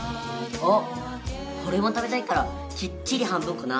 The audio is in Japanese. あっおれも食べたいからきっちり半分こな。